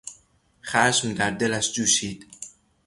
خشم در دلش جوشید.